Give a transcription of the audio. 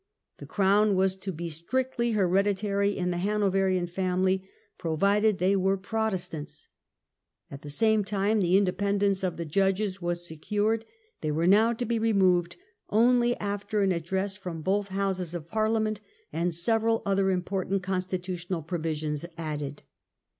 The crown was to be strictly hereditary in the Hanoverian family, provided they were Protestants. At the same time the independence of the judges was secured; they were now to be removed only after an address from both Houses of Parliament, and several other important con stitutional provisions added.